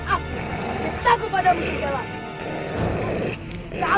akhirnya ditakut padamu segalanya